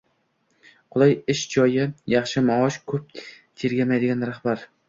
Qulay ish joyi, yaxshi maosh, ko‘p tergamaydigan rahbar